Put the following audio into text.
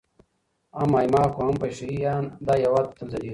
هم ايـــماق و هم پـــشــه یــــیــان، دا هـــیــواد به تــل ځلــــــیــــږي